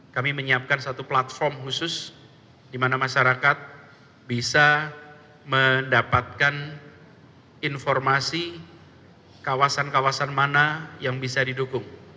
kami menyiapkan satu platform khusus di mana masyarakat bisa mendapatkan informasi kawasan kawasan mana yang bisa didukung